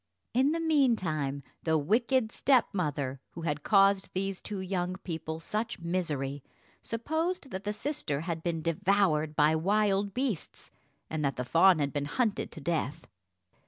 In the meantime the wicked stepmother, who had caused these two young people such misery, supposed that the sister had been devoured by wild beasts, and that the fawn had been hunted to death.